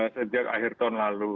sejak akhir tahun lalu